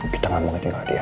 kita gak mau ketinggalan diam